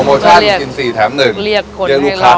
มีวันหยุดเอ่ออาทิตย์ที่สองของเดือนค่ะ